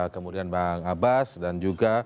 kemudian bang abbas dan juga